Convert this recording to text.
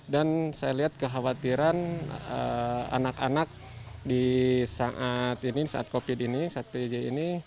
dan saya lihat kekhawatiran anak anak di saat ini saat covid ini saat pjj ini